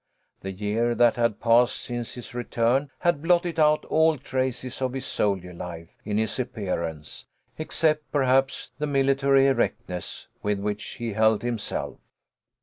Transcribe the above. The year that had passed since his return had blotted out all trace of his soldier life in his appear ance, except, perhaps, the military erectness with which he held himself.